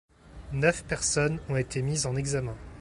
Neuf personnes ont été mises en examen.